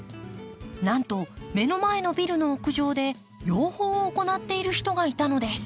なんと目の前のビルの屋上で養蜂を行っている人がいたのです。